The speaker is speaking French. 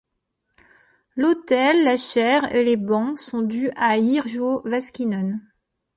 L'autel, la chaire et les bancs sont dus à Yrjö Vaskinen.